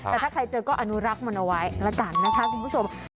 แต่ถ้าใครเจอก็อนุรักษ์มันเอาไว้แล้วกันนะคะคุณผู้ชม